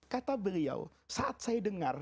kata beliau saat saya dengar